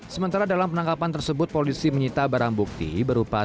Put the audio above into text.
sementara dalam penangkapan tersebut polisi menyita barang bukti berupa